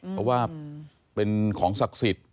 เพราะว่าเป็นของศักดิ์สิทธิ์